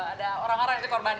ada orang orang yang dikorbankan